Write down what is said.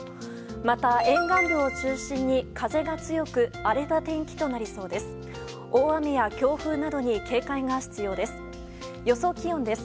また、沿岸部を中心に風が強く荒れた天気となりそうです。